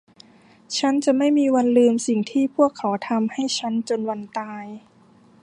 ฉันจะไม่มีวันลืมสิ่งที่พวกเขาทำให้ฉันจนวันตาย